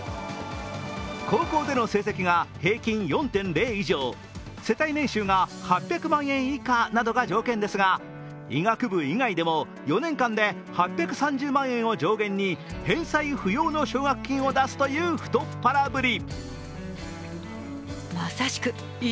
高校での成績が平均４．０以上、世帯年収が８００万円以下などが条件ですが、医学部以外でも４年間で８３０万円を上限に返済不要の奨学金を出すという太っ腹ぶり。